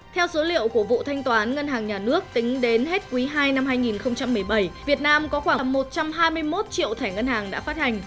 theo số liệu của vụ thanh toán ngân hàng nhà nước tính đến hết quý ii năm hai nghìn một mươi bảy việt nam có khoảng một trăm hai mươi một triệu thẻ ngân hàng đã phát hành